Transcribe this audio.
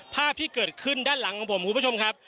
ภาพที่เกิดขึ้นด้านหลังของผมคุณผู้ชมครับ